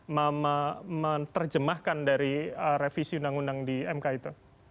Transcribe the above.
menerjemahkan dari revisi undang undang di mk itu